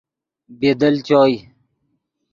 بی دل چوئے۔